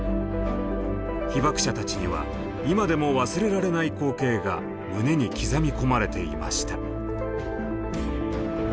被爆者たちには今でも忘れられない光景が胸に刻み込まれていました。